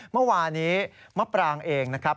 เมื่อวานี้มะปรางเองนะครับ